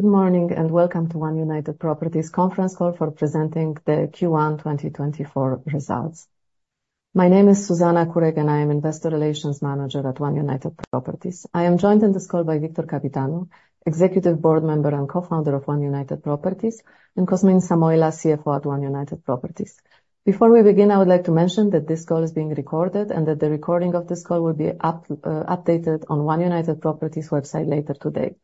Good morning and welcome to One United Properties' conference call for presenting the Q1 2024 results. My name is Zuzanna Kurek, and I am Investor Relations Manager at One United Properties. I am joined in this call by Victor Căpitanu, Executive Board Member and Co-Founder of One United Properties, and Cosmin Samoilă, CFO at One United Properties. Before we begin, I would like to mention that this call is being recorded and that the recording of this call will be updated on One United Properties' website later today.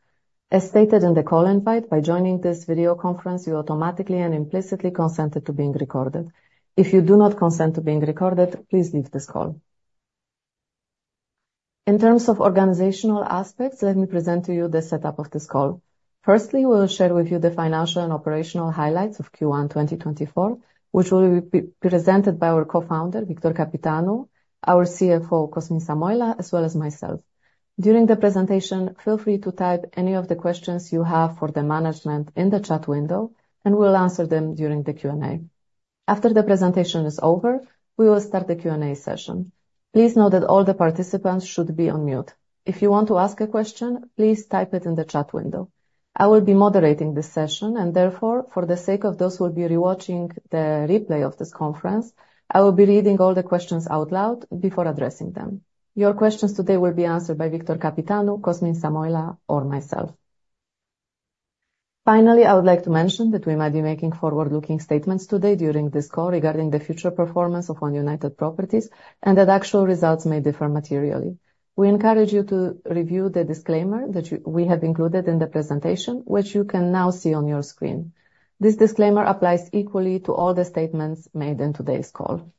As stated in the call invite, by joining this video conference you automatically and implicitly consented to being recorded. If you do not consent to being recorded, please leave this call. In terms of organizational aspects, let me present to you the setup of this call. Firstly, we will share with you the financial and operational highlights of Q1 2024, which will be presented by our Co-Founder, Victor Căpitanu, our CFO, Cosmin Samoilă, as well as myself. During the presentation, feel free to type any of the questions you have for the management in the chat window, and we'll answer them during the Q&A. After the presentation is over, we will start the Q&A session. Please note that all the participants should be on mute. If you want to ask a question, please type it in the chat window. I will be moderating this session, and therefore, for the sake of those who will be rewatching the replay of this conference, I will be reading all the questions out loud before addressing them. Your questions today will be answered by Victor Căpitanu, Cosmin Samoilă, or myself. Finally, I would like to mention that we might be making forward-looking statements today during this call regarding the future performance of One United Properties and that actual results may differ materially. We encourage you to review the disclaimer that we have included in the presentation, which you can now see on your screen. This disclaimer applies equally to all the statements made in today's call.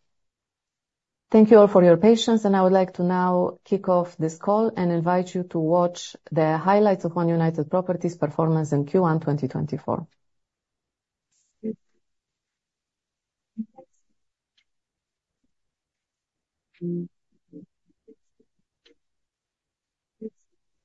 Thank you all for your patience, and I would like to now kick off this call and invite you to watch the highlights of One United Properties' performance in Q1 2024.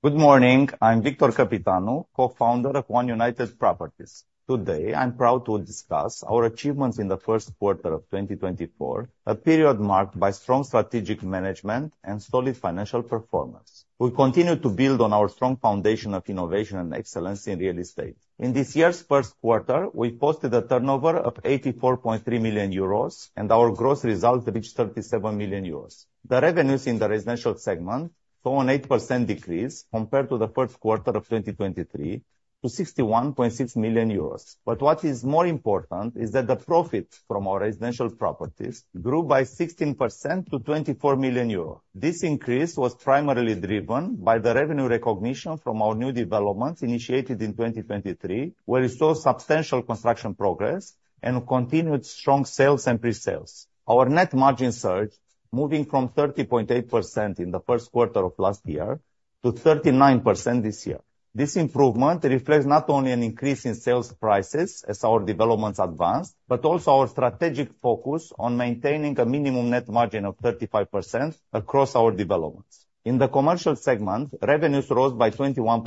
Good morning. I'm Victor Căpitanu, Co-Founder of One United Properties. Today, I'm proud to discuss our achievements in the first quarter of 2024, a period marked by strong strategic management and solid financial performance. We continue to build on our strong foundation of innovation and excellence in real estate. In this year's first quarter, we posted a turnover of 84.3 million euros, and our gross result reached 37 million euros. The revenues in the residential segment saw an 8% decrease compared to the first quarter of 2023, to 61.6 million euros. But what is more important is that the profits from our residential properties grew by 16% to 24 million euro. This increase was primarily driven by the revenue recognition from our new development initiated in 2023, where we saw substantial construction progress and continued strong sales and presales. Our net margin surged, moving from 30.8% in the first quarter of last year to 39% this year. This improvement reflects not only an increase in sales prices as our developments advanced, but also our strategic focus on maintaining a minimum net margin of 35% across our developments. In the commercial segment, revenues rose by 21%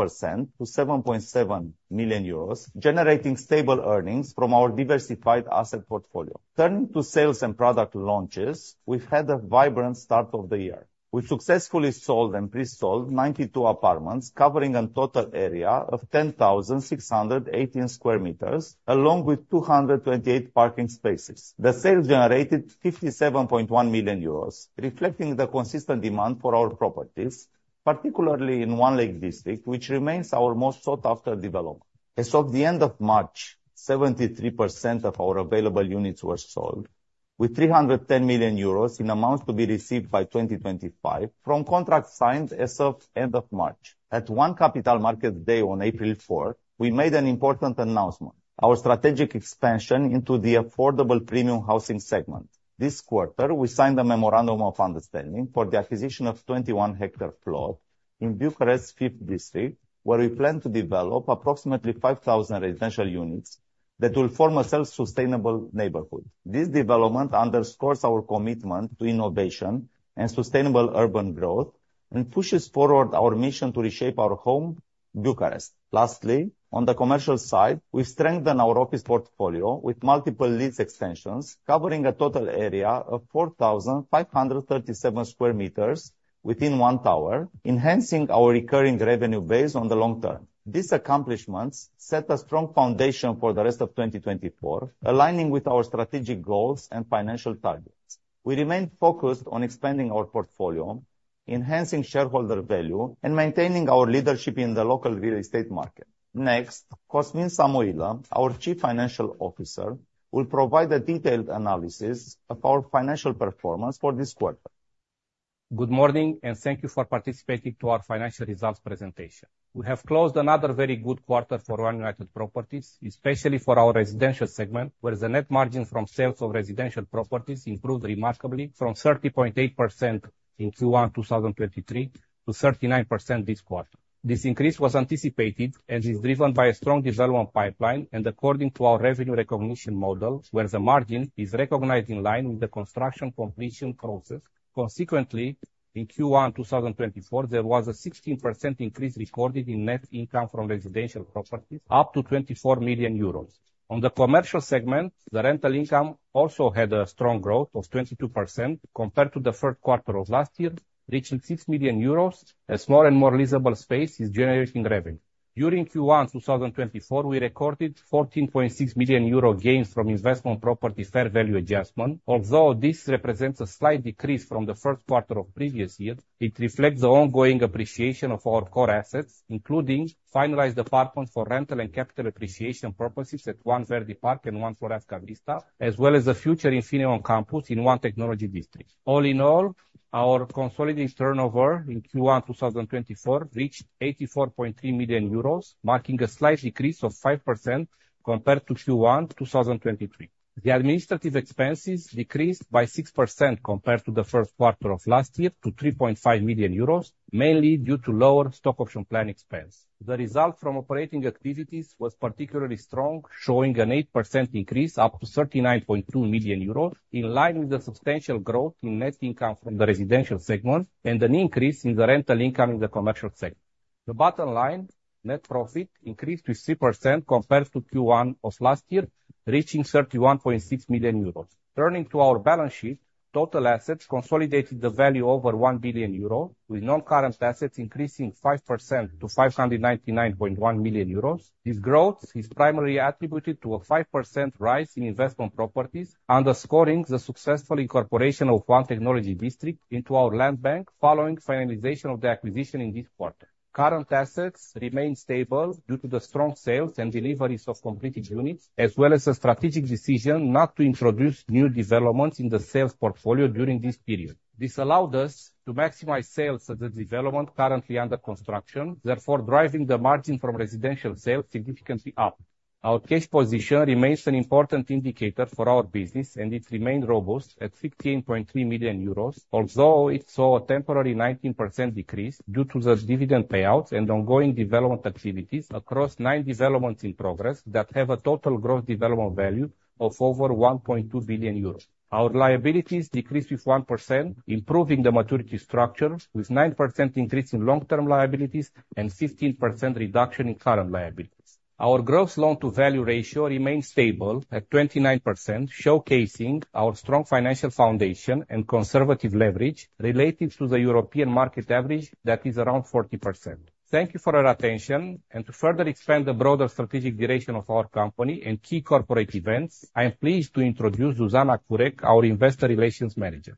to 7.7 million euros, generating stable earnings from our diversified asset portfolio. Turning to sales and product launches, we've had a vibrant start of the year. We successfully sold and presold 92 apartments, covering a total area of 10,618 sq m, along with 228 parking spaces. The sales generated 57.1 million euros, reflecting the consistent demand for our properties, particularly in One Lake District, which remains our most sought-after development. As of the end of March, 73% of our available units were sold, with 310 million euros in amounts to be received by 2025 from contracts signed as of end of March. At One Capital Markets Day on April 4, we made an important announcement: our strategic expansion into the affordable premium housing segment. This quarter, we signed a Memorandum of Understanding for the acquisition of 21-hectare plot in Bucharest's 5th District, where we plan to develop approximately 5,000 residential units that will form a self-sustainable neighborhood. This development underscores our commitment to innovation and sustainable urban growth and pushes forward our mission to reshape our home, Bucharest. Lastly, on the commercial side, we strengthened our office portfolio with multiple lease extensions, covering a total area of 4,537 sq m within One Tower, enhancing our recurring revenue base on the long term. These accomplishments set a strong foundation for the rest of 2024, aligning with our strategic goals and financial targets. We remained focused on expanding our portfolio, enhancing shareholder value, and maintaining our leadership in the local real estate market. Next, Cosmin Samoilă, our Chief Financial Officer, will provide a detailed analysis of our financial performance for this quarter. Good morning and thank you for participating to our financial results presentation. We have closed another very good quarter for One United Properties, especially for our residential segment, where the net margin from sales of residential properties improved remarkably from 30.8% in Q1 2023 to 39% this quarter. This increase was anticipated and is driven by a strong development pipeline and according to our revenue recognition model, where the margin is recognized in line with the construction completion process. Consequently, in Q1 2024, there was a 16% increase recorded in net income from residential properties, up to 24 million euros. On the commercial segment, the rental income also had a strong growth of 22% compared to the first quarter of last year, reaching 6 million euros, as more and more leasable space is generating revenue. During Q1 2024, we recorded 14.6 million euro gains from investment property fair value adjustment. Although this represents a slight decrease from the first quarter of previous years, it reflects the ongoing appreciation of our core assets, including finalized apartments for rental and capital appreciation purposes at One Verdi Park and One Floreasca Vista, as well as the future Infineon campus in One Technology District. All in all, our consolidated turnover in Q1 2024 reached 84.3 million euros, marking a slight decrease of 5% compared to Q1 2023. The administrative expenses decreased by 6% compared to the first quarter of last year to 3.5 million euros, mainly due to lower stock option plan expense. The result from operating activities was particularly strong, showing an 8% increase up to 39.2 million euro, in line with the substantial growth in net income from the residential segment and an increase in the rental income in the commercial segment. The bottom line, net profit increased with 3% compared to Q1 of last year, reaching 31.6 million euros. Turning to our balance sheet, total assets consolidated the value over 1 billion euros, with non-current assets increasing 5% to 599.1 million euros. This growth is primarily attributed to a 5% rise in investment properties, underscoring the successful incorporation of One Technology District into our land bank following finalization of the acquisition in this quarter. Current assets remain stable due to the strong sales and deliveries of completed units, as well as a strategic decision not to introduce new developments in the sales portfolio during this period. This allowed us to maximize sales at the development currently under construction, therefore driving the margin from residential sales significantly up. Our cash position remains an important indicator for our business, and it remained robust at 16.3 million euros, although it saw a temporary 19% decrease due to the dividend payouts and ongoing development activities across 9 developments in progress that have a total gross development value of over 1.2 billion euros. Our liabilities decreased with 1%, improving the maturity structure with a 9% increase in long-term liabilities and a 15% reduction in current liabilities. Our gross loan-to-value ratio remained stable at 29%, showcasing our strong financial foundation and conservative leverage relative to the European market average that is around 40%. Thank you for your attention, and to further expand the broader strategic duration of our company and key corporate events, I am pleased to introduce Zuzanna Kurek, our Investor Relations Manager.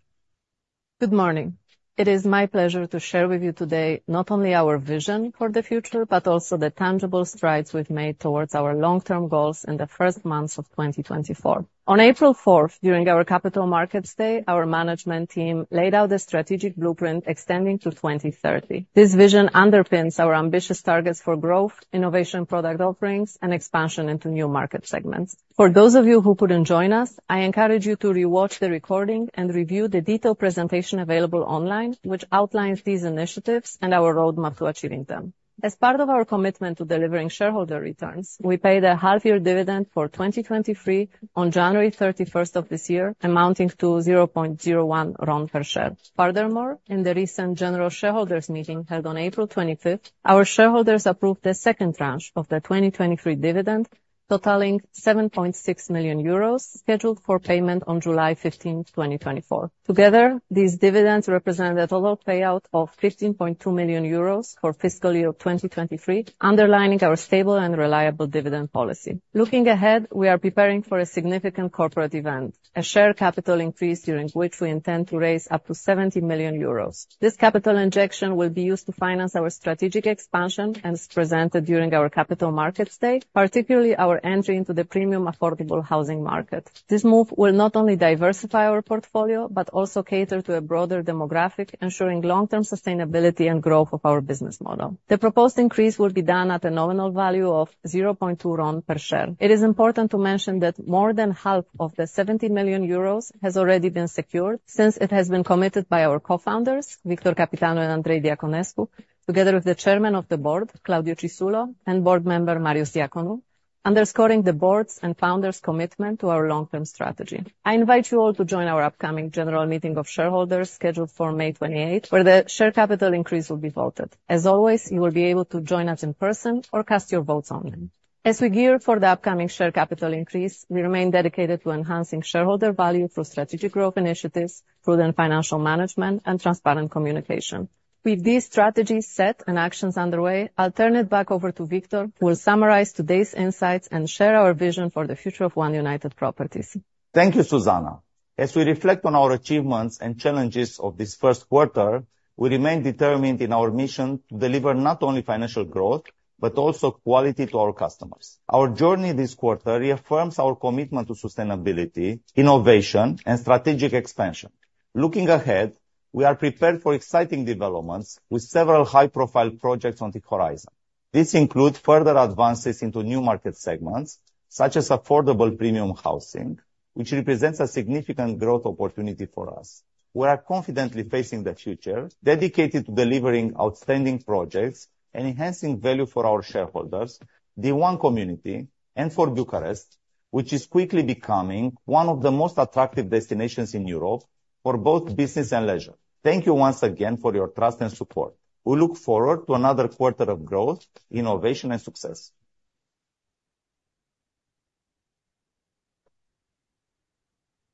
Good morning. It is my pleasure to share with you today not only our vision for the future but also the tangible strides we've made towards our long-term goals in the first months of 2024. On April 4th, during our Capital Markets Day, our management team laid out a strategic blueprint extending to 2030. This vision underpins our ambitious targets for growth, innovation product offerings, and expansion into new market segments. For those of you who couldn't join us, I encourage you to rewatch the recording and review the detailed presentation available online, which outlines these initiatives and our roadmap to achieving them. As part of our commitment to delivering shareholder returns, we paid a half-year dividend for 2023 on January 31st of this year, amounting to 0.01 RON per share. Furthermore, in the recent General Shareholders' Meeting held on April 25th, our shareholders approved the second tranche of the 2023 dividend, totaling 7.6 million euros, scheduled for payment on July 15, 2024. Together, these dividends represent a total payout of 15.2 million euros for fiscal year 2023, underlining our stable and reliable dividend policy. Looking ahead, we are preparing for a significant corporate event: a share capital increase during which we intend to raise up to 70 million euros. This capital injection will be used to finance our strategic expansion as presented during our Capital Markets Day, particularly our entry into the premium affordable housing market. This move will not only diversify our portfolio but also cater to a broader demographic, ensuring long-term sustainability and growth of our business model. The proposed increase will be done at a nominal value of 0.2 RON per share. It is important to mention that more than half of the 70 million euros has already been secured since it has been committed by our Co-Founders, Victor Căpitanu and Andrei Diaconescu, together with the Chairman of the Board, Claudio Cisullo, and Board Member Marius Diaconu, underscoring the Board's and Founders' commitment to our long-term strategy. I invite you all to join our upcoming General Meeting of Shareholders scheduled for May 28, where the share capital increase will be voted. As always, you will be able to join us in person or cast your votes online. As we gear for the upcoming share capital increase, we remain dedicated to enhancing shareholder value through strategic growth initiatives, prudent financial management, and transparent communication. With these strategies set and actions underway, I'll turn it back over to Victor, who will summarize today's insights and share our vision for the future of One United Properties. Thank you, Zuzanna. As we reflect on our achievements and challenges of this first quarter, we remain determined in our mission to deliver not only financial growth but also quality to our customers. Our journey this quarter reaffirms our commitment to sustainability, innovation, and strategic expansion. Looking ahead, we are prepared for exciting developments with several high-profile projects on the horizon. These include further advances into new market segments, such as affordable premium housing, which represents a significant growth opportunity for us. We are confidently facing the future, dedicated to delivering outstanding projects and enhancing value for our shareholders, the One community, and for Bucharest, which is quickly becoming one of the most attractive destinations in Europe for both business and leisure. Thank you once again for your trust and support. We look forward to another quarter of growth, innovation, and success.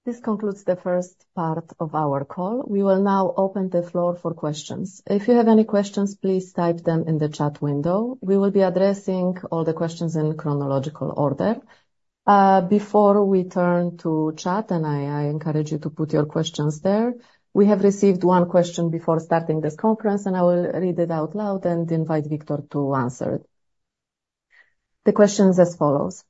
This concludes the first part of our call. We will now open the floor for questions. If you have any questions, please type them in the chat window. We will be addressing all the questions in chronological order. Before we turn to chat, and I encourage you to put your questions there, we have received one question before starting this conference, and I will read it out loud and invite Victor to answer it. The question is as follows: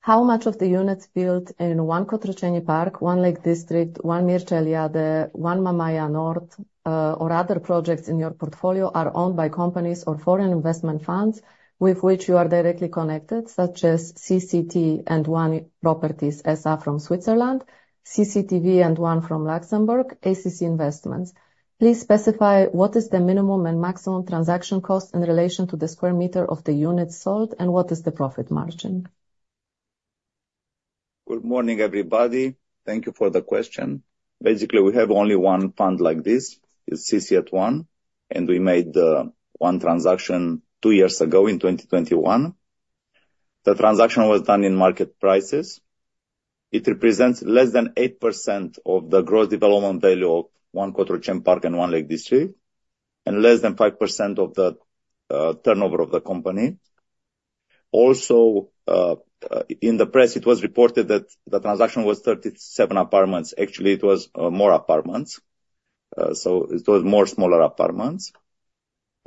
How much of the units built in One Cotroceni Park, One Lake District, One Mircea Eliade, One Mamaia Nord, or other projects in your portfolio are owned by companies or foreign investment funds with which you are directly connected, such as CC@ONE Properties SA from Switzerland, CCT One from Luxembourg, ACC Investments? Please specify what is the minimum and maximum transaction cost in relation to the square meter of the units sold, and what is the profit margin? Good morning, everybody. Thank you for the question. Basically, we have only one fund like this, is CC@ONE, and we made one transaction 2 years ago in 2021. The transaction was done in market prices. It represents less than 8% of the gross development value of One Cotroceni Park and One Lake District, and less than 5% of the turnover of the company. Also, in the press, it was reported that the transaction was 37 apartments. Actually, it was more apartments. So it was more smaller apartments.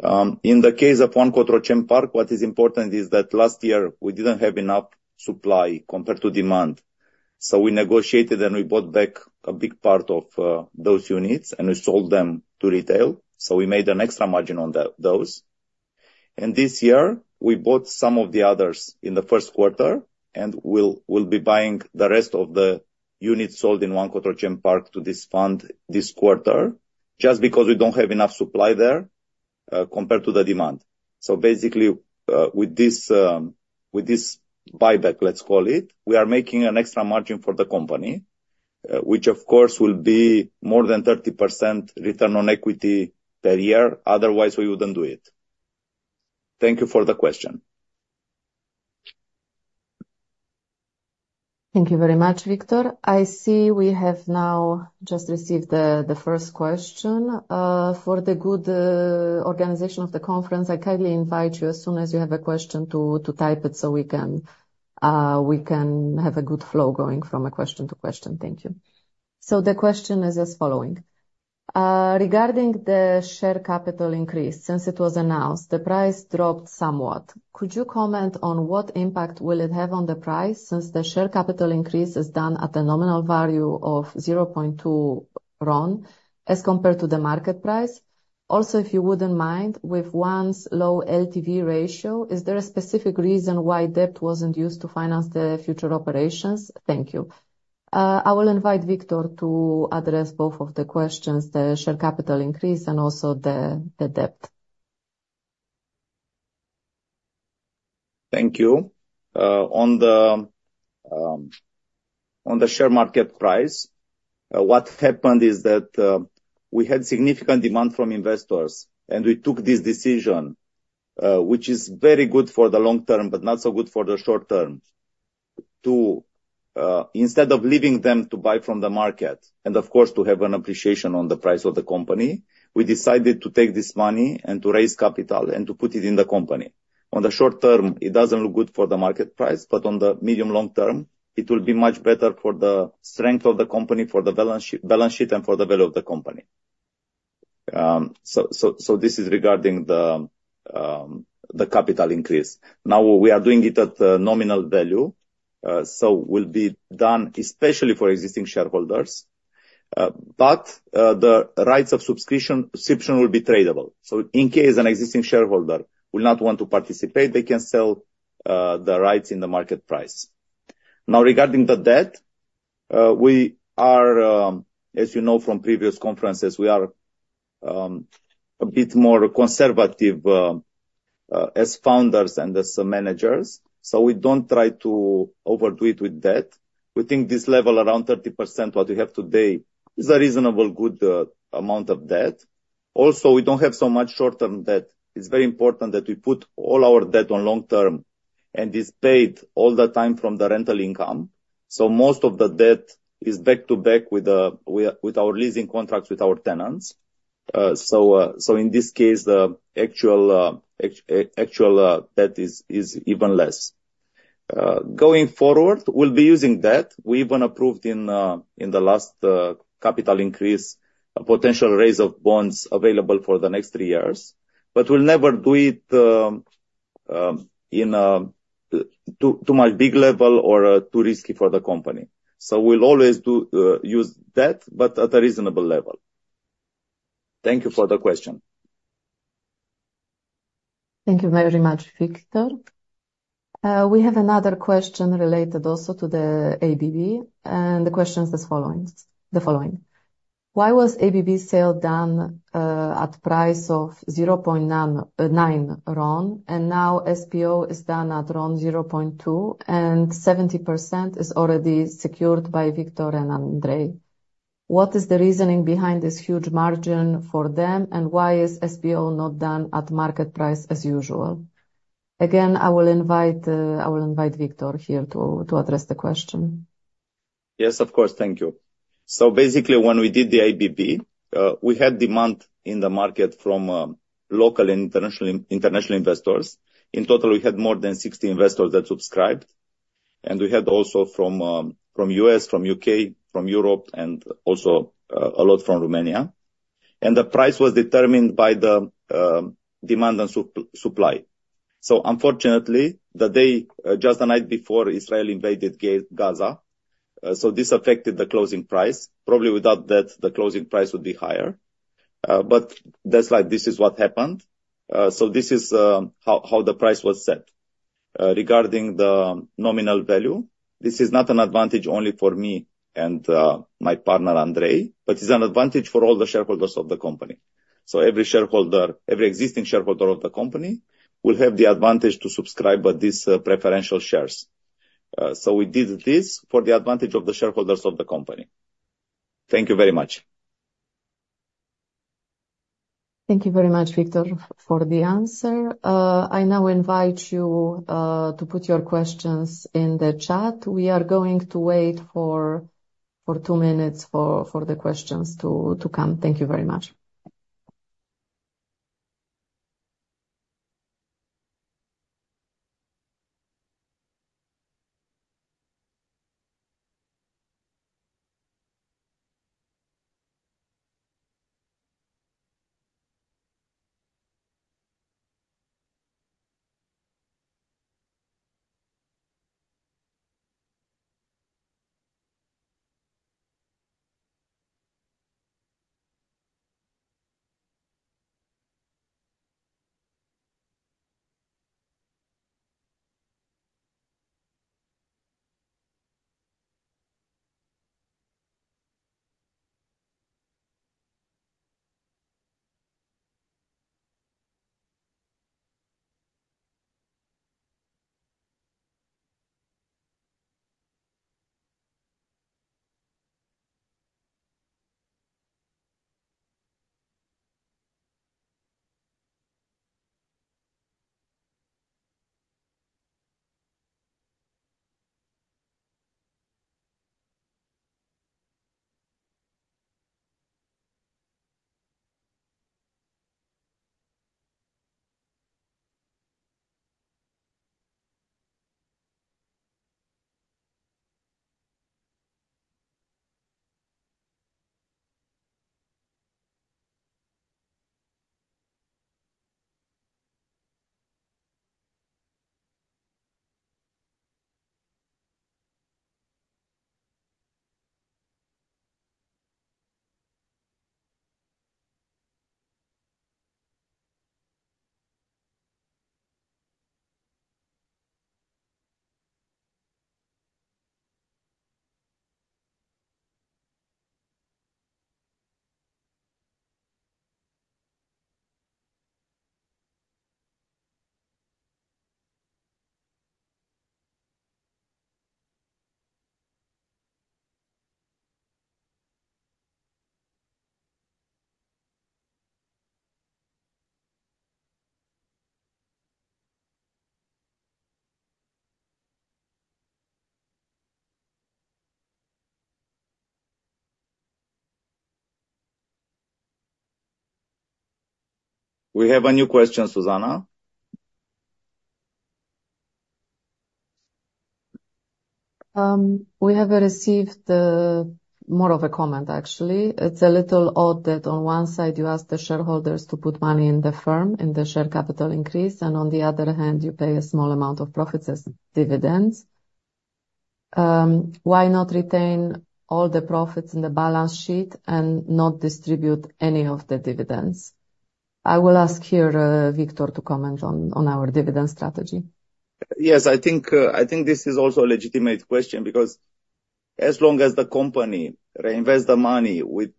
In the case of One Cotroceni Park, what is important is that last year we didn't have enough supply compared to demand. So we negotiated and we bought back a big part of those units, and we sold them to retail. So we made an extra margin on those. This year, we bought some of the others in the first quarter, and we'll be buying the rest of the units sold in One Cotroceni Park to this fund this quarter, just because we don't have enough supply there compared to the demand. So basically, with this buyback, let's call it, we are making an extra margin for the company, which of course will be more than 30% return on equity per year. Otherwise, we wouldn't do it. Thank you for the question. Thank you very much, Victor. I see we have now just received the first question. For the good organization of the conference, I kindly invite you, as soon as you have a question, to type it so we can have a good flow going from a question to question. Thank you. So the question is as follows. Regarding the share capital increase, since it was announced, the price dropped somewhat. Could you comment on what impact will it have on the price since the share capital increase is done at a nominal value of 0.2 RON as compared to the market price? Also, if you wouldn't mind, with One's low LTV ratio, is there a specific reason why debt wasn't used to finance the future operations? Thank you. I will invite Victor to address both of the questions, the share capital increase, and also the debt. Thank you. On the share market price, what happened is that we had significant demand from investors, and we took this decision, which is very good for the long term but not so good for the short term, to instead of leaving them to buy from the market and of course to have an appreciation on the price of the company, we decided to take this money and to raise capital and to put it in the company. On the short term, it doesn't look good for the market price, but on the medium-long term, it will be much better for the strength of the company, for the balance sheet, and for the value of the company. So this is regarding the capital increase. Now, we are doing it at nominal value, so will be done especially for existing shareholders. But the rights of subscription will be tradable. So in case an existing shareholder will not want to participate, they can sell the rights in the market price. Now, regarding the debt, we are, as you know from previous conferences, we are a bit more conservative as founders and as managers. So we don't try to overdo it with debt. We think this level around 30%, what we have today, is a reasonable good amount of debt. Also, we don't have so much short-term debt. It's very important that we put all our debt on long term and is paid all the time from the rental income. So most of the debt is back to back with our leasing contracts with our tenants. So in this case, the actual debt is even less. Going forward, we'll be using debt. We even approved in the last capital increase a potential raise of bonds available for the next three years, but we'll never do it too much big level or too risky for the company. So we'll always use debt, but at a reasonable level. Thank you for the question. Thank you very much, Victor. We have another question related also to the ABB, and the question is the following. Why was ABB sale done at price of 0.9 RON, and now SPO is done at RON 0.2, and 70% is already secured by Victor and Andrei? What is the reasoning behind this huge margin for them, and why is SPO not done at market price as usual? Again, I will invite Victor here to address the question. Yes, of course. Thank you. So basically, when we did the ABB, we had demand in the market from local and international investors. In total, we had more than 60 investors that subscribed. And we had also from the U.S., from the U.K., from Europe, and also a lot from Romania. And the price was determined by the demand and supply. So unfortunately, the day just the night before, Israel invaded Gaza. So this affected the closing price. Probably without debt, the closing price would be higher. But that's like this is what happened. So this is how the price was set. Regarding the nominal value, this is not an advantage only for me and my partner, Andrei, but it's an advantage for all the shareholders of the company. So every shareholder, every existing shareholder of the company will have the advantage to subscribe but these preferential shares. We did this for the advantage of the shareholders of the company. Thank you very much. Thank you very much, Victor, for the answer. I now invite you to put your questions in the chat. We are going to wait for two minutes for the questions to come. Thank you very much. We have a new question, Zuzanna. We have received more of a comment, actually. It's a little odd that on one side you ask the shareholders to put money in the firm in the share capital increase, and on the other hand, you pay a small amount of profits as dividends. Why not retain all the profits in the balance sheet and not distribute any of the dividends? I will ask here Victor to comment on our dividend strategy. Yes, I think this is also a legitimate question because as long as the company reinvests the money with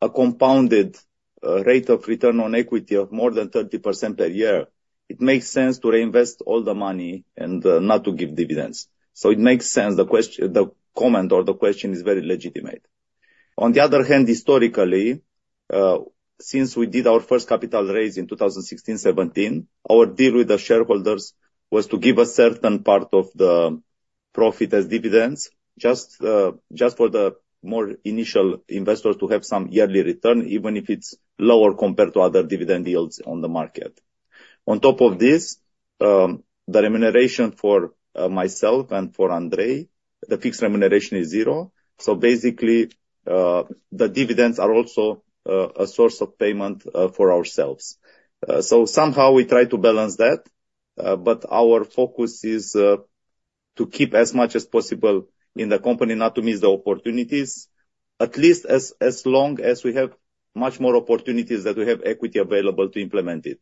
a compounded rate of return on equity of more than 30% per year, it makes sense to reinvest all the money and not to give dividends. So it makes sense the comment or the question is very legitimate. On the other hand, historically, since we did our first capital raise in 2016-2017, our deal with the shareholders was to give a certain part of the profit as dividends, just for the more initial investors to have some yearly return, even if it's lower compared to other dividend yields on the market. On top of this, the remuneration for myself and for Andrei, the fixed remuneration is zero. So basically, the dividends are also a source of payment for ourselves. So somehow we try to balance that, but our focus is to keep as much as possible in the company, not to miss the opportunities, at least as long as we have much more opportunities than we have equity available to implement it.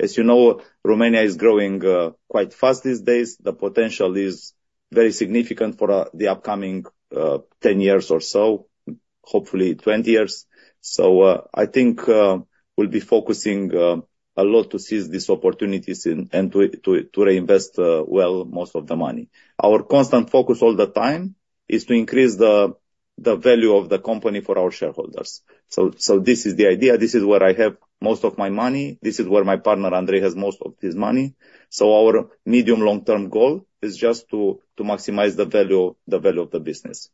As you know, Romania is growing quite fast these days. The potential is very significant for the upcoming 10 years or so, hopefully 20 years. So I think we'll be focusing a lot to seize these opportunities and to reinvest well most of the money. Our constant focus all the time is to increase the value of the company for our shareholders. So this is the idea. This is where I have most of my money. This is where my partner, Andrei, has most of his money. So our medium-long-term goal is just to maximize the value of the business.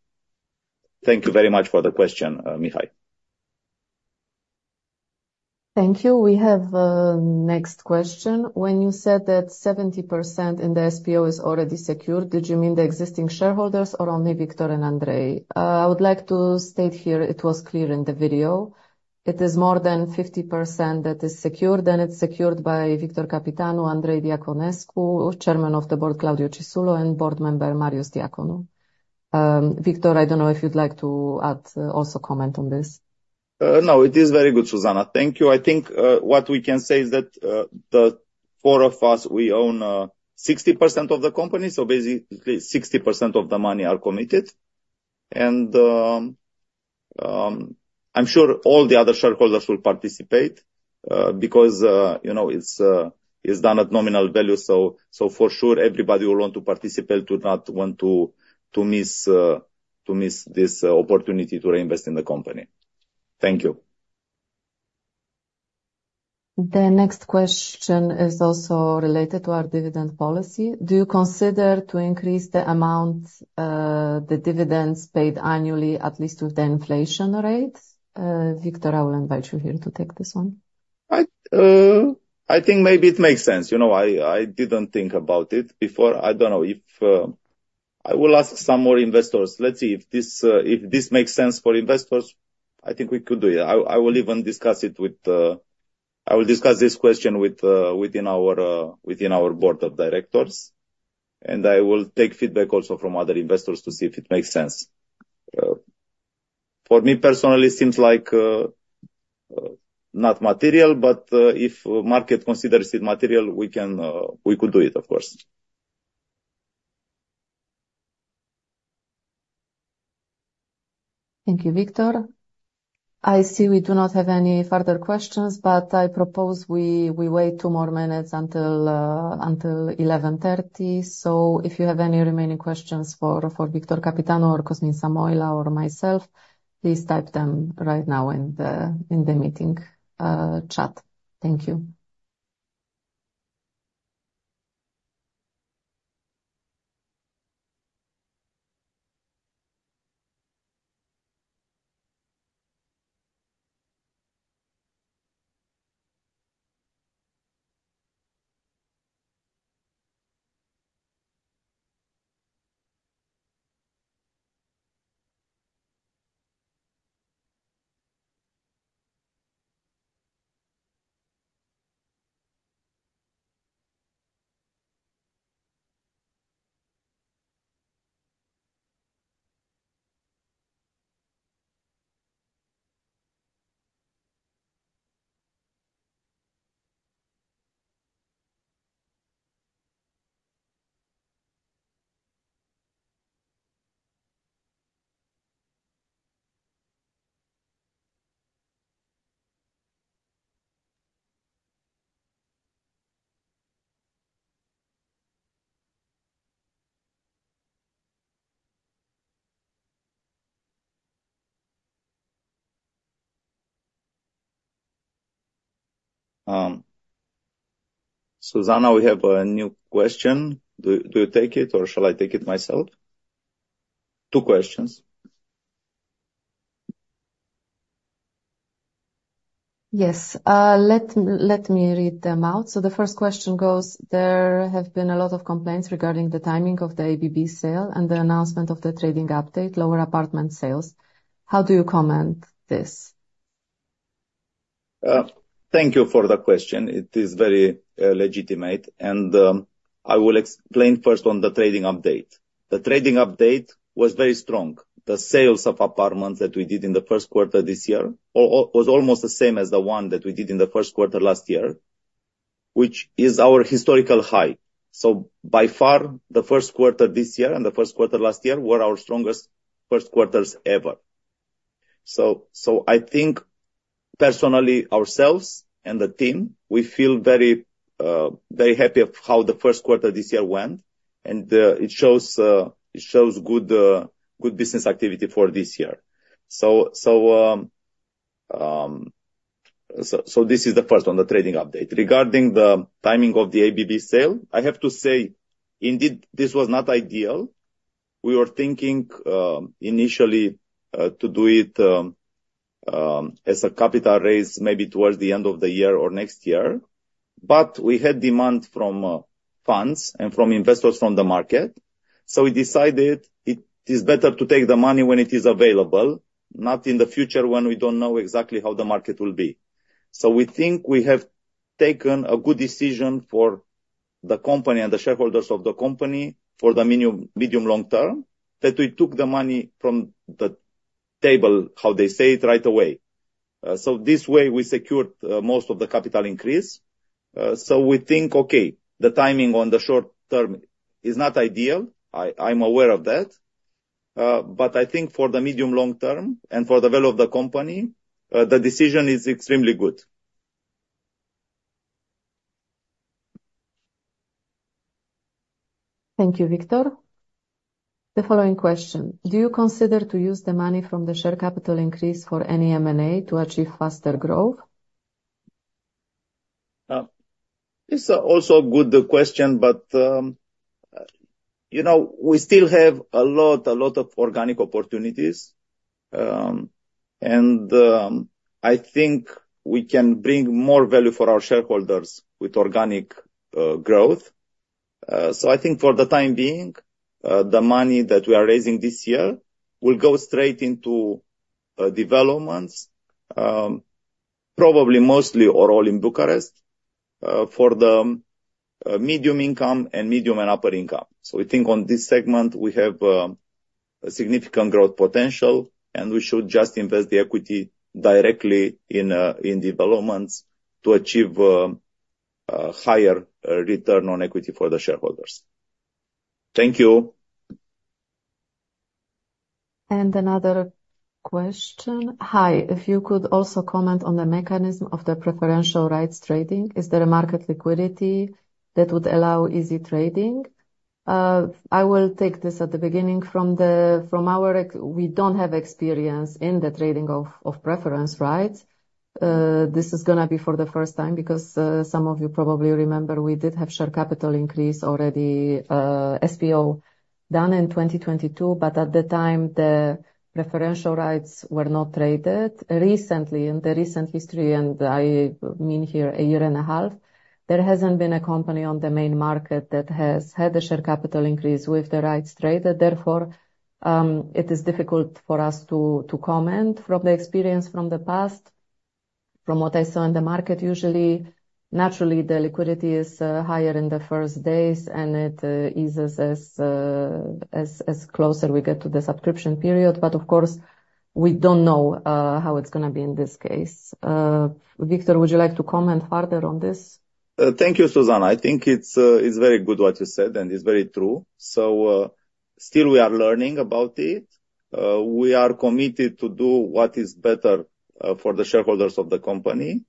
Thank you very much for the question, Mihai. Thank you. We have a next question. When you said that 70% in the SPO is already secured, did you mean the existing shareholders or only Victor and Andrei? I would like to state here, it was clear in the video. It is more than 50% that is secured, and it's secured by Victor Căpitanu, Andrei Diaconescu, Chairman of the Board Claudio Cisullo, and Board Member Marius Diaconu. Victor, I don't know if you'd like to also comment on this. No, it is very good, Zuzanna. Thank you. I think what we can say is that the four of us, we own 60% of the company. So basically, 60% of the money are committed. And I'm sure all the other shareholders will participate because it's done at nominal value. So for sure, everybody will want to participate, to not want to miss this opportunity to reinvest in the company. Thank you. The next question is also related to our dividend policy. Do you consider to increase the amount the dividends paid annually, at least with the inflation rate? Victor, I will invite you here to take this one. I think maybe it makes sense. I didn't think about it before. I don't know if I will ask some more investors. Let's see if this makes sense for investors. I think we could do it. I will discuss this question within our Board of Directors. I will take feedback also from other investors to see if it makes sense. For me personally, it seems like not material, but if market considers it material, we could do it, of course. Thank you, Victor. I see we do not have any further questions, but I propose we wait two more minutes until 11:30 A.M. So if you have any remaining questions for Victor Căpitanu or Cosmin Samoilă or myself, please type them right now in the meeting chat. Thank you. Zuzanna, we have a new question. Do you take it, or shall I take it myself? Two questions. Yes. Let me read them out. So the first question goes, there have been a lot of complaints regarding the timing of the ABB sale and the announcement of the trading update, lower apartment sales. How do you comment this? Thank you for the question. It is very legitimate. I will explain first on the trading update. The trading update was very strong. The sales of apartments that we did in the first quarter this year was almost the same as the one that we did in the first quarter last year, which is our historical high. By far, the first quarter this year and the first quarter last year were our strongest first quarters ever. I think personally, ourselves and the team, we feel very happy of how the first quarter this year went. It shows good business activity for this year. This is the first one, the trading update. Regarding the timing of the ABB sale, I have to say, indeed, this was not ideal. We were thinking initially to do it as a capital raise maybe towards the end of the year or next year. But we had demand from funds and from investors from the market. So we decided it is better to take the money when it is available, not in the future when we don't know exactly how the market will be. So we think we have taken a good decision for the company and the shareholders of the company for the medium-long term that we took the money from the table, how they say it, right away. So this way, we secured most of the capital increase. So we think, okay, the timing on the short term is not ideal. I'm aware of that. But I think for the medium-long term and for the value of the company, the decision is extremely good. Thank you, Victor. The following question, do you consider to use the money from the share capital increase for any M&A to achieve faster growth? It's also a good question, but we still have a lot of organic opportunities. I think we can bring more value for our shareholders with organic growth. I think for the time being, the money that we are raising this year will go straight into developments, probably mostly or all in Bucharest for the medium income and medium and upper income. We think on this segment, we have a significant growth potential, and we should just invest the equity directly in developments to achieve higher return on equity for the shareholders. Thank you. Another question. Hi, if you could also comment on the mechanism of the preferential rights trading. Is there a market liquidity that would allow easy trading? I will take this. At the beginning, from our [side], we don't have experience in the trading of preferential rights. This is going to be for the first time because some of you probably remember we did have share capital increase already, SPO done in 2022, but at the time, the preferential rights were not traded. Recently, in the recent history, and I mean here a year and a half, there hasn't been a company on the main market that has had a share capital increase with the rights traded. Therefore, it is difficult for us to comment from the experience from the past, from what I saw in the market usually. Naturally, the liquidity is higher in the first days, and it eases as closer we get to the subscription period. But of course, we don't know how it's going to be in this case. Victor, would you like to comment further on this? Thank you, Zuzanna. I think it's very good what you said, and it's very true. So still, we are learning about it. We are committed to do what is better for the shareholders of the company.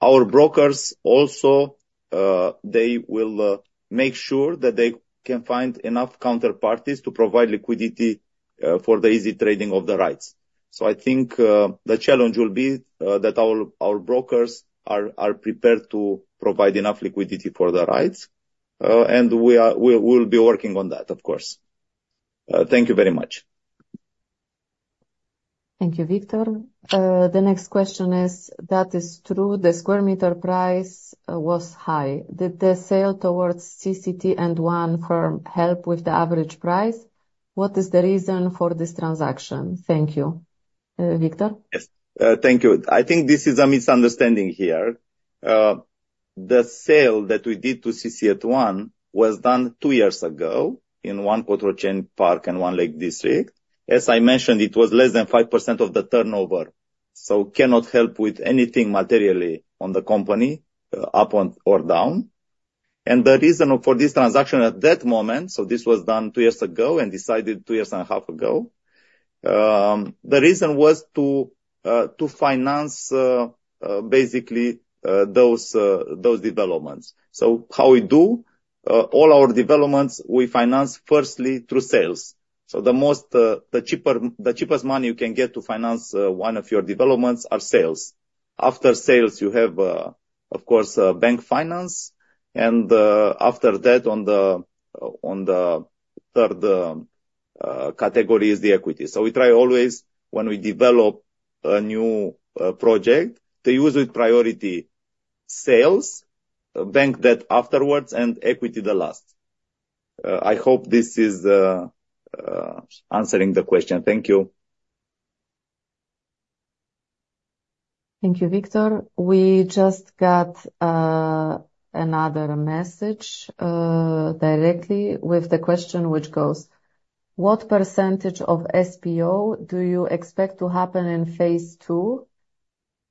Our brokers also, they will make sure that they can find enough counterparties to provide liquidity for the easy trading of the rights. So I think the challenge will be that our brokers are prepared to provide enough liquidity for the rights. And we will be working on that, of course. Thank you very much. Thank you, Victor. The next question is, that is true, the square meter price was high. Did the sale towards CC@ONE help with the average price? What is the reason for this transaction? Thank you, Victor. Yes. Thank you. I think this is a misunderstanding here. The sale that we did to CC@ONE was done 2 years ago in One Cotroceni Park and One Lake District. As I mentioned, it was less than 5% of the turnover. So cannot help with anything materially on the company up or down. And the reason for this transaction at that moment, so this was done 2 years ago and decided 2.5 years ago, the reason was to finance basically those developments. So how we do, all our developments, we finance firstly through sales. So the cheapest money you can get to finance one of your developments are sales. After sales, you have, of course, bank finance. And after that, on the third category is the equity. We try always when we develop a new project to use with priority sales, bank debt afterwards, and equity the last. I hope this is answering the question. Thank you. Thank you, Victor. We just got another message directly with the question which goes, what percentage of SPO do you expect to happen in Phase II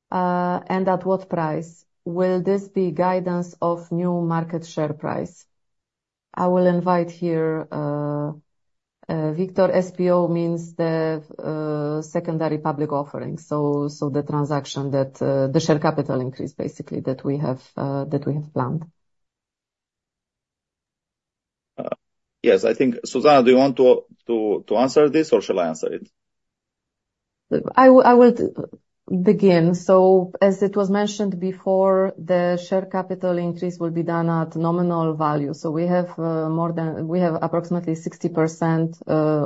and at what price? Will this be guidance of new market share price? I will invite here Victor. SPO means the secondary public offering, so the transaction that the share capital increase basically that we have planned. Yes, I think Zuzanna, do you want to answer this or shall I answer it? I will begin. So as it was mentioned before, the share capital increase will be done at nominal value. So we have approximately 60%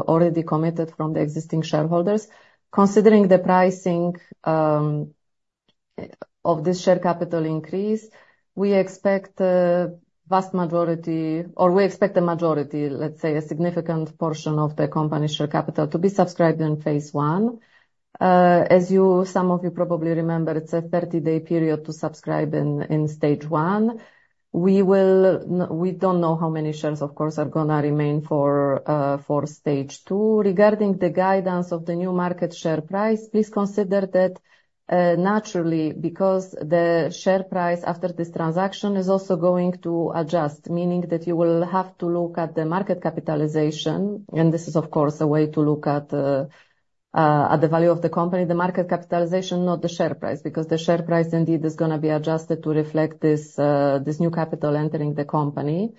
already committed from the existing shareholders. Considering the pricing of this share capital increase, we expect a vast majority or we expect a majority, let's say, a significant portion of the company's share capital to be subscribed in phase one. As some of you probably remember, it's a 30-day period to subscribe in stage one. We don't know how many shares, of course, are going to remain for stage two. Regarding the guidance of the new market share price, please consider that naturally, because the share price after this transaction is also going to adjust, meaning that you will have to look at the market capitalization. This is, of course, a way to look at the value of the company, the market capitalization, not the share price, because the share price indeed is going to be adjusted to reflect this new capital entering the company.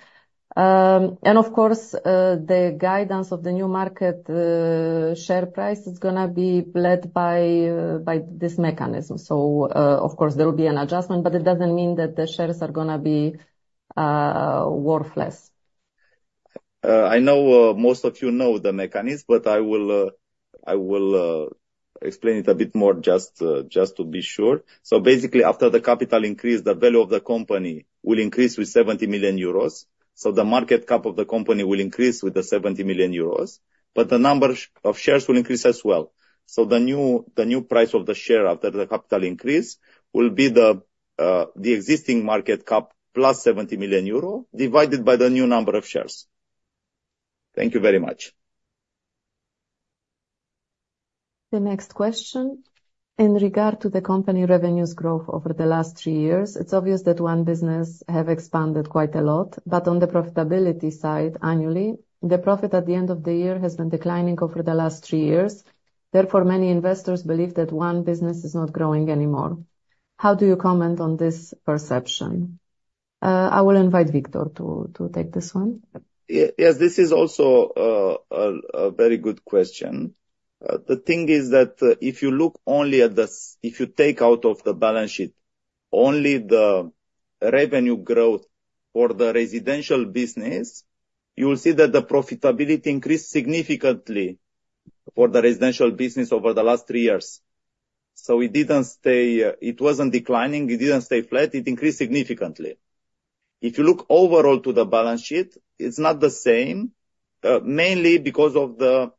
Of course, the guidance of the new market share price is going to be led by this mechanism. Of course, there will be an adjustment, but it doesn't mean that the shares are going to be worthless. I know most of you know the mechanism, but I will explain it a bit more just to be sure. So basically, after the capital increase, the value of the company will increase with 70 million euros. So the market cap of the company will increase with the 70 million euros. But the number of shares will increase as well. So the new price of the share after the capital increase will be the existing market cap plus 70 million euro divided by the new number of shares. Thank you very much. The next question, in regard to the company revenues growth over the last three years, it's obvious that One United Properties has expanded quite a lot. But on the profitability side annually, the profit at the end of the year has been declining over the last three years. Therefore, many investors believe that One United Properties is not growing anymore. How do you comment on this perception? I will invite Victor to take this one. Yes, this is also a very good question. The thing is that if you take out of the balance sheet only the revenue growth for the residential business, you will see that the profitability increased significantly for the residential business over the last three years. So it wasn't declining. It didn't stay flat. It increased significantly. If you look overall to the balance sheet, it's not the same, mainly because of the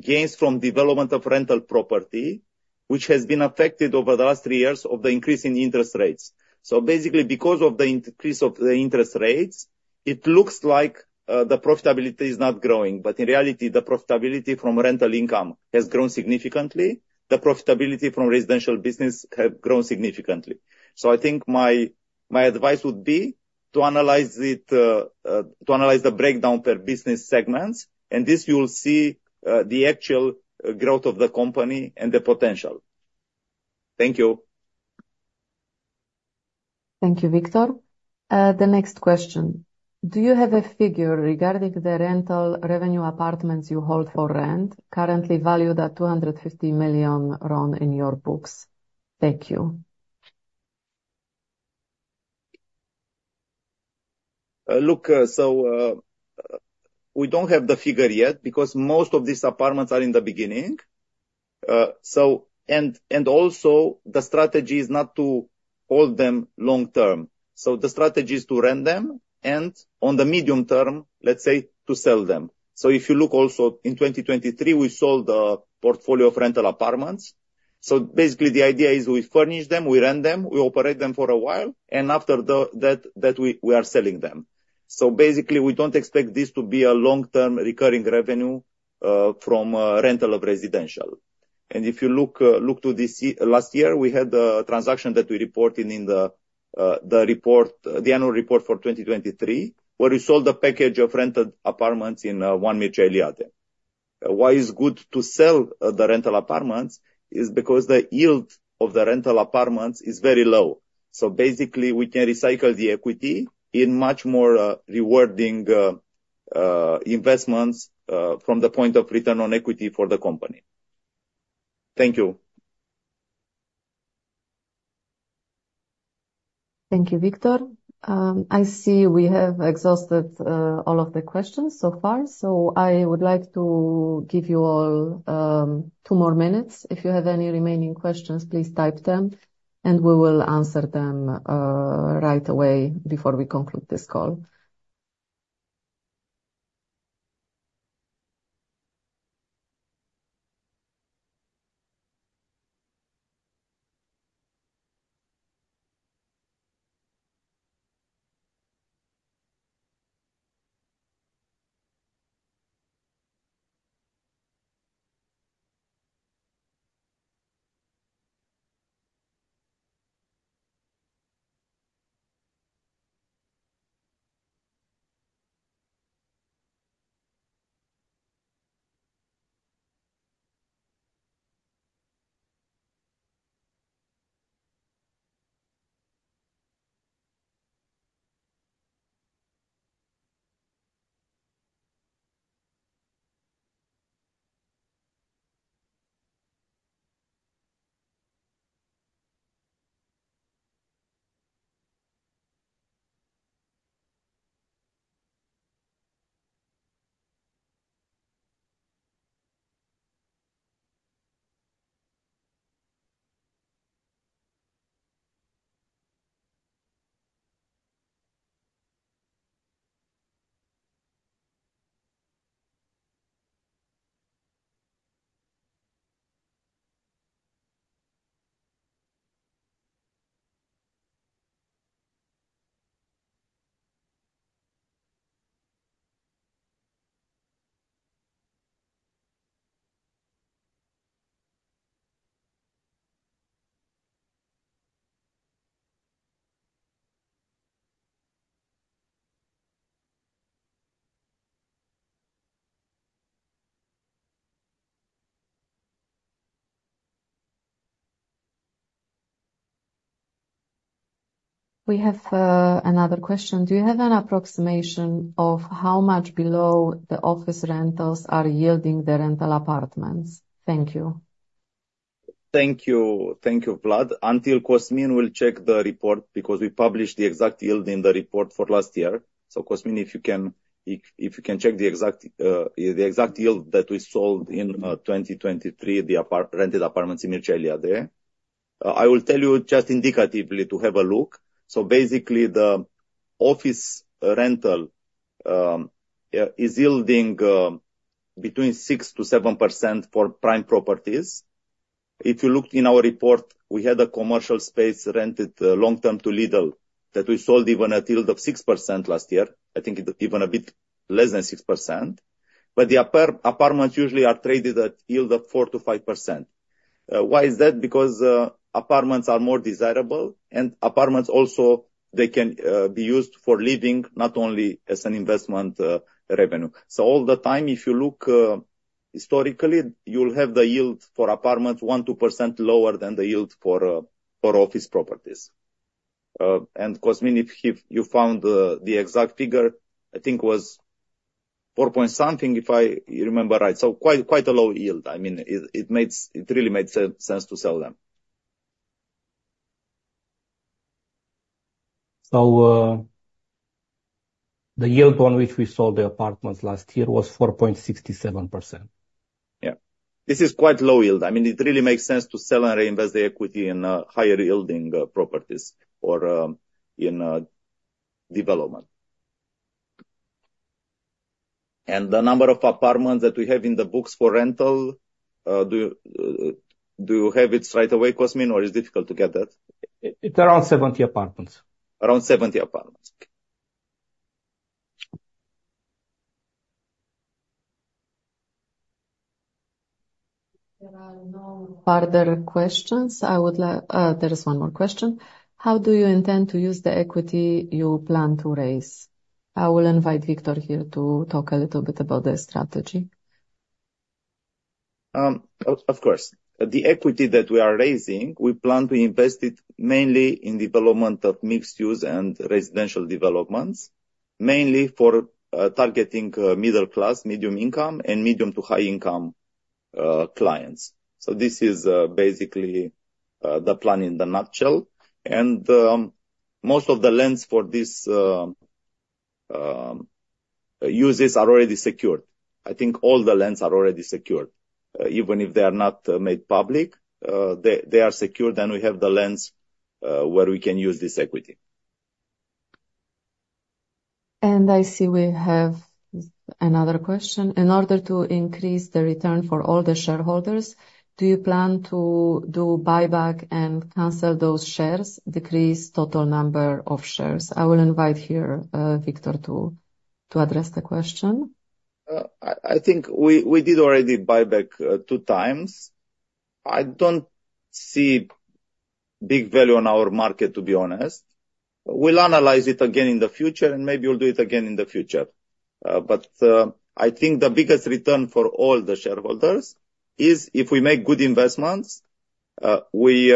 gains from development of rental property, which has been affected over the last three years of the increase in interest rates. So basically, because of the increase of the interest rates, it looks like the profitability is not growing. But in reality, the profitability from rental income has grown significantly. The profitability from residential business has grown significantly. So I think my advice would be to analyze the breakdown per business segments. And this you will see the actual growth of the company and the potential. Thank you. Thank you, Victor. The next question, do you have a figure regarding the rental revenue apartments you hold for rent, currently valued at RON 250 million in your books? Thank you. Look, so we don't have the figure yet because most of these apartments are in the beginning. And also, the strategy is not to hold them long term. So the strategy is to rent them and on the medium term, let's say, to sell them. So if you look also in 2023, we sold a portfolio of rental apartments. So basically, the idea is we furnish them, we rent them, we operate them for a while, and after that, we are selling them. So basically, we don't expect this to be a long-term recurring revenue from rental of residential. And if you look to last year, we had a transaction that we reported in the annual report for 2023 where we sold a package of rented apartments in One Mircea Eliade. Why it's good to sell the rental apartments is because the yield of the rental apartments is very low. So basically, we can recycle the equity in much more rewarding investments from the point of return on equity for the company. Thank you. Thank you, Victor. I see we have exhausted all of the questions so far. So I would like to give you all two more minutes. If you have any remaining questions, please type them, and we will answer them right away before we conclude this call. We have another question. Do you have an approximation of how much below the office rentals are yielding the rental apartments? Thank you. Thank you, Vlad. Until Cosmin will check the report because we published the exact yield in the report for last year. So Cosmin, if you can check the exact yield that we sold in 2023, the rented apartments in Mircea Eliade, I will tell you just indicatively to have a look. So basically, the office rental is yielding between 6%-7% for prime properties. If you looked in our report, we had a commercial space rented long term to Lidl that we sold even at a yield of 6% last year. I think even a bit less than 6%. But the apartments usually are traded at a yield of 4%-5%. Why is that? Because apartments are more desirable. And apartments also, they can be used for living not only as an investment revenue. All the time, if you look historically, you'll have the yield for apartments 1%-2% lower than the yield for office properties. Cosmin, if you found the exact figure, I think it was 4.something if I remember right. Quite a low yield. I mean, it really made sense to sell them. The yield on which we sold the apartments last year was 4.67%. Yeah. This is quite low yield. I mean, it really makes sense to sell and reinvest the equity in higher yielding properties or in development. And the number of apartments that we have in the books for rental, do you have it right away, Cosmin, or is it difficult to get that? It's around 70 apartments. Around 70 apartments. There are no further questions. There is one more question. How do you intend to use the equity you plan to raise? I will invite Victor here to talk a little bit about the strategy. Of course. The equity that we are raising, we plan to invest it mainly in development of mixed-use and residential developments, mainly for targeting middle class, medium income, and medium to high income clients. So this is basically the plan in the nutshell. And most of the lands for these uses are already secured. I think all the lands are already secured. Even if they are not made public, they are secured and we have the lands where we can use this equity. I see we have another question. In order to increase the return for all the shareholders, do you plan to do buyback and cancel those shares, decrease total number of shares? I will invite here Victor to address the question. I think we did already buyback 2 times. I don't see big value on our market, to be honest. We'll analyze it again in the future and maybe we'll do it again in the future. But I think the biggest return for all the shareholders is if we make good investments, we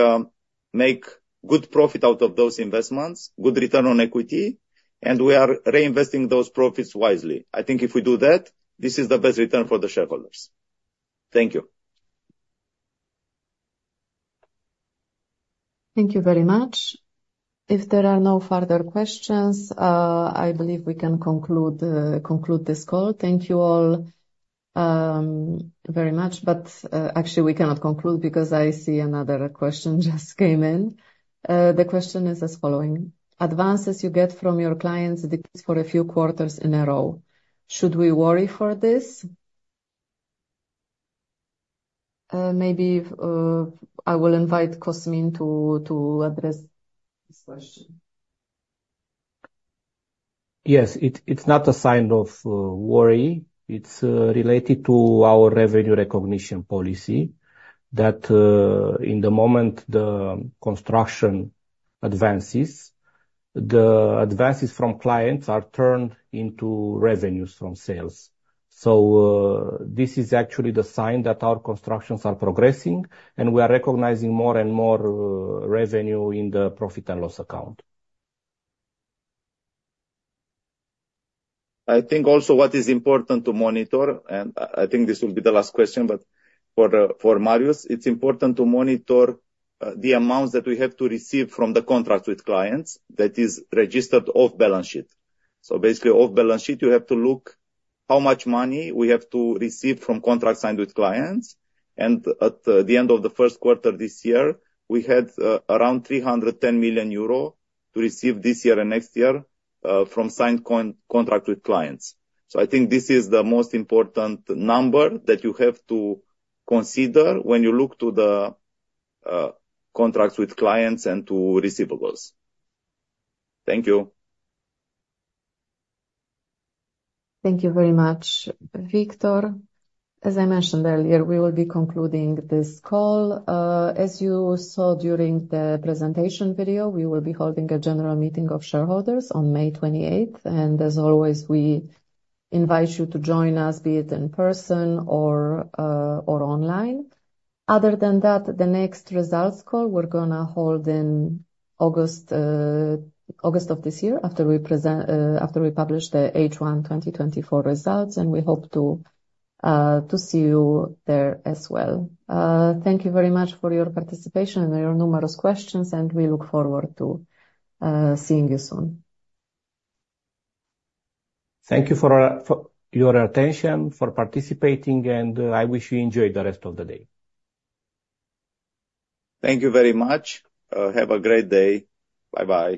make good profit out of those investments, good return on equity, and we are reinvesting those profits wisely. I think if we do that, this is the best return for the shareholders. Thank you. Thank you very much. If there are no further questions, I believe we can conclude this call. Thank you all very much. But actually, we cannot conclude because I see another question just came in. The question is as following. Advances you get from your clients decrease for a few quarters in a row. Should we worry for this? Maybe I will invite Cosmin to address this question. Yes, it's not a sign of worry. It's related to our revenue recognition policy that in the moment the construction advances, the advances from clients are turned into revenues from sales. So this is actually the sign that our constructions are progressing and we are recognizing more and more revenue in the profit and loss account. I think also what is important to monitor, and I think this will be the last question, but for Marius, it's important to monitor the amounts that we have to receive from the contracts with clients that is registered off balance sheet. So basically, off balance sheet, you have to look how much money we have to receive from contracts signed with clients. And at the end of the first quarter this year, we had around 310 million euro to receive this year and next year from signed contracts with clients. So I think this is the most important number that you have to consider when you look to the contracts with clients and to receivables. Thank you. Thank you very much, Victor. As I mentioned earlier, we will be concluding this call. As you saw during the presentation video, we will be holding a general meeting of shareholders on May 28th. As always, we invite you to join us, be it in person or online. Other than that, the next results call, we're going to hold in August of this year after we publish the H1 2024 results. We hope to see you there as well. Thank you very much for your participation and your numerous questions. We look forward to seeing you soon. Thank you for your attention, for participating, and I wish you enjoy the rest of the day. Thank you very much. Have a great day. Bye-bye.